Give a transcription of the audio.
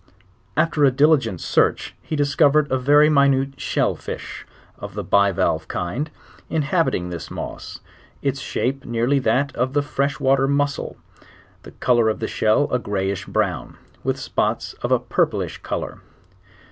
After a diligent search he discovered a very minute shell fish, of the bivalve kind, inhabiting 1 this moss; its shape nearly that of tho fresh water muclii; the col or of the shell a greyish brown, with spots of a purplish col or.